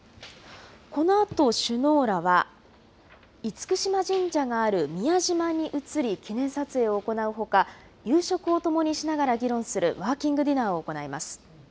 このあと首脳らは厳島神社がある宮島に移り、記念撮影を行うほか、夕食を共にしながら議論するワーキングディナーを行います。